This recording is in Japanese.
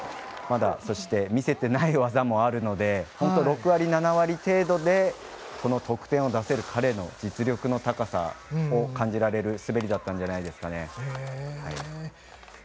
まだ、そして見せていない技もあるので本当に６割、７割程度で得点を出せる彼の実力の高さを感じられる滑りだったんじゃないでしょうか。